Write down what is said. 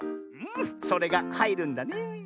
それがはいるんだねえ。